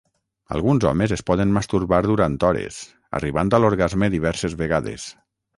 Alguns homes es poden masturbar durant hores, arribant a l'orgasme diverses vegades.